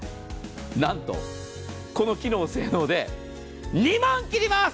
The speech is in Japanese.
なんと、この機能・性能で２万切ります！